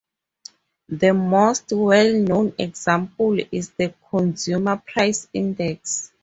The most well known example is the consumer price index.